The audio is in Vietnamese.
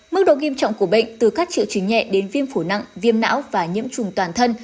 mức độ nghiêm trọng của bệnh từ các triệu chứng nhẹ đến viêm phổi nặng viêm não và nhiễm trùng toàn thân